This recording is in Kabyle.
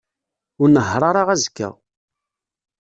Ur nnehheṛ ara azekka.